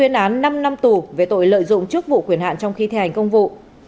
năm năm tù về tội lợi dụng trước vụ quyền hạn trong khi thể hành công vụ